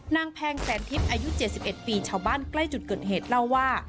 แพงแสนทิพย์อายุ๗๑ปีชาวบ้านใกล้จุดเกิดเหตุเล่าว่า